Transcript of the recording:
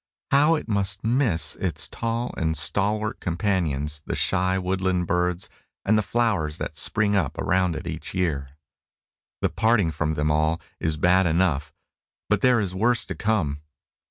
How it must miss its tall and stalwart companions the shy woodland birds, and the flowers that spring up around it each year! The parting from them all is bad enough, but there is worse to come.